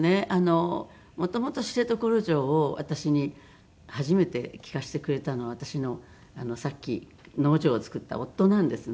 元々『知床旅情』を私に初めて聴かせてくれたのは私のさっき農場を造った夫なんですね。